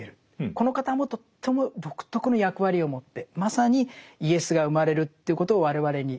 この方もとっても独特の役割を持ってまさにイエスが生まれるということを我々に告げてくれる。